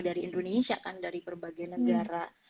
dari indonesia kan dari berbagai negara